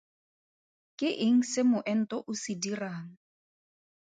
Ke eng se moento o se dirang?